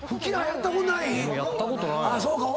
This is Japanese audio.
やったことないな。